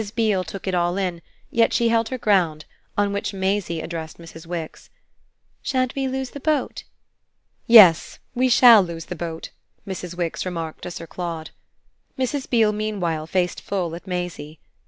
Beale took it all in, yet she held her ground; on which Maisie addressed Mrs. Wix. "Shan't we lose the boat?" "Yes, we shall lose the boat," Mrs. Wix remarked to Sir Claude. Mrs. Beale meanwhile faced full at Maisie.